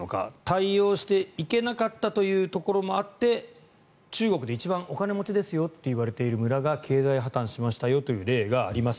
対応していけなかったというところもあって中国で一番お金持ちだといわれている村が経済破たんしましたよという例があります。